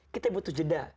kita butuh jeda